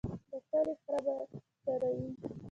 د کلي خره به څروي.